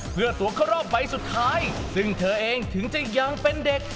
เพื่อตัวเข้ารอบใบสุดท้ายซึ่งเธอเองถึงจะยังเป็นเด็ก